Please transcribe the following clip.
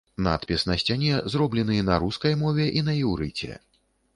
Надпіс на сцяне зроблены на рускай мове і на іўрыце.